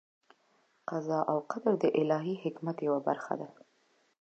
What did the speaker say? قضا او قدر د الهي حکمت یوه برخه ده.